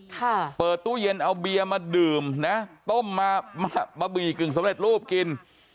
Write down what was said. ค่ะเปิดตู้เย็นเอาเบียร์มาดื่มนะต้มมาบะหมี่กึ่งสำเร็จรูปกิน